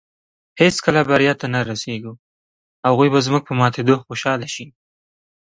هېڅکله بریا ته نۀ رسېږو. هغوی به زموږ په ماتېدو خوشحاله شي